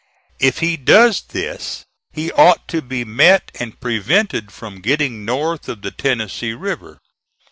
If he does this, he ought to be met and prevented from getting north of the Tennessee River.